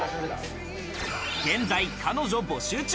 現在、彼女募集中。